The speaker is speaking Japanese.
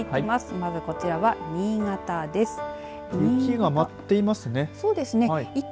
まず、こちらは新潟です。